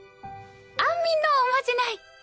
安眠のおまじない。